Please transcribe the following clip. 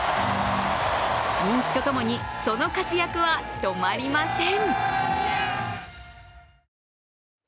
人気とともに、その活躍は止まりません。